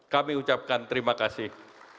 kami ucapkan terima kasih